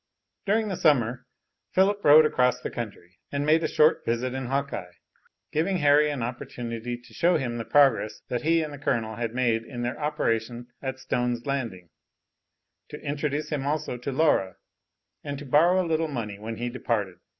During the summer Philip rode across the country and made a short visit in Hawkeye, giving Harry an opportunity to show him the progress that he and the Colonel had made in their operation at Stone's Landing, to introduce him also to Laura, and to borrow a little money when he departed.